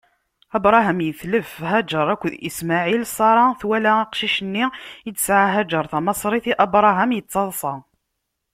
Abṛaham itlef, Hagaṛ akked Ismaɛil, Ṣara twala aqcic-nni i d-tesɛa Hagaṛ tamaṣrit i Abṛaham, ittaḍṣa.